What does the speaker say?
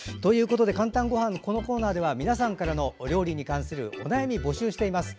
「かんたんごはん」のコーナーでは皆さんからのお料理に関するお悩みを募集しています。